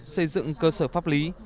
xây dựng cơ sở pháp lý